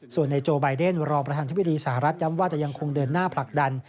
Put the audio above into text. ส่วนในโจไบเดนรองประธานธิบดีสหรัฐย้ำว่าจะยังคงเดินหน้าผลักดัน